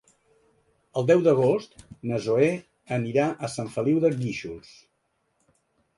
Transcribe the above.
El deu d'agost na Zoè anirà a Sant Feliu de Guíxols.